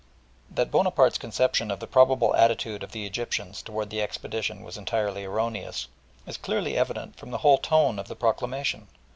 That Bonaparte's conception of the probable attitude of the Egyptians towards the expedition was entirely erroneous, is clearly evident from the whole tone of the proclamation.